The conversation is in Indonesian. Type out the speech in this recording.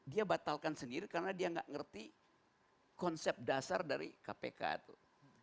dia batalkan sendiri karena dia nggak ngerti konsep dasar dari kpk tuh